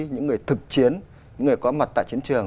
những người thực chiến những người có mặt tại chiến trường